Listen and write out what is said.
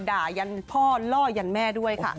ยันพ่อล่อยันแม่ด้วยค่ะ